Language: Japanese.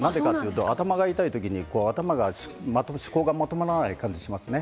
頭が痛いときに思考がまとまらない感じがしますね。